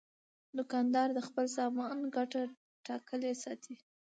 دوکاندار د خپل سامان ګټه ټاکلې ساتي.